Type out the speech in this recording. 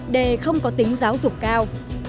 đề không có tính giáo dục cao